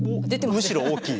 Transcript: むしろ大きい。